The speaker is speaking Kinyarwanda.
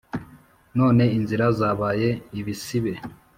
none inzira zabaye ibisibe.